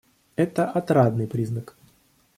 Это отрадный признак.